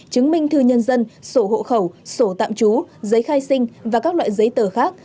chứng minh thư nhân dân sổ hộ khẩu sổ tạm trú giấy khai sinh và các loại giấy tờ khác